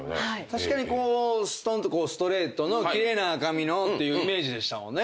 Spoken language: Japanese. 確かにすとんとストレートの奇麗な髪のっていうイメージでしたもんね